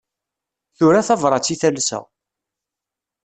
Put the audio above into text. Tura tabrat i talsa.